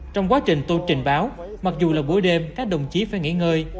trong quá trình tôi trình báo mặc dù là buổi đêm các đồng chí phải nghỉ ngơi